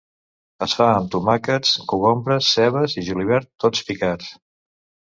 Es fa amb tomàquets, cogombres, cebes i julivert tots picats.